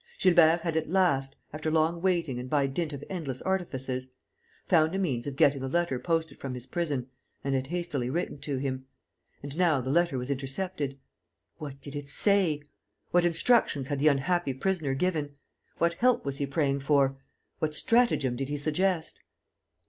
Gilbert had at last after long waiting and by dint of endless artifices found a means of getting a letter posted from his prison and had hastily written to him. And now the letter was intercepted! What did it say? What instructions had the unhappy prisoner given? What help was he praying for? What stratagem did he suggest?